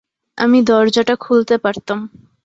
আমি দরজাটা খুলতে পারতাম।